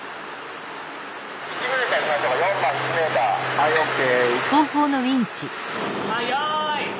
はいＯＫ。